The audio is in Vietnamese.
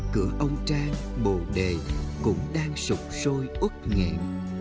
cửa ông trang bồ đề cũng đang sụp sôi út nghẹn